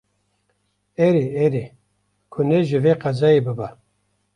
Erê, erê, ku ne ji vê qezayê biba